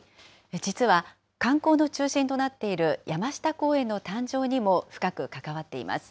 実は観光の中心となっている山下公園の誕生にも深く関わっています。